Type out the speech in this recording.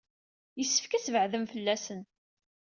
Yessefk ad tbeɛɛdem fell-asen.